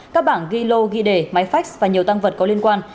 các bảng ghi lô ghi đề máy phách và nhiều tăng vật có liên quan